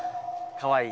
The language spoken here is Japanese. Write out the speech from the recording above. かわいい。